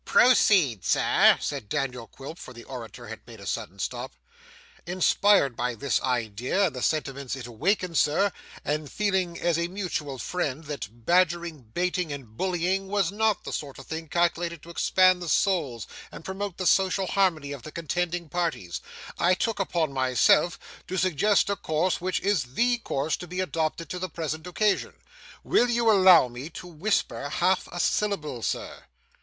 'Proceed, sir,' said Daniel Quilp; for the orator had made a sudden stop. 'Inspired by this idea and the sentiments it awakened, sir, and feeling as a mutual friend that badgering, baiting, and bullying, was not the sort of thing calculated to expand the souls and promote the social harmony of the contending parties, I took upon myself to suggest a course which is THE course to be adopted to the present occasion. Will you allow me to whisper half a syllable, sir?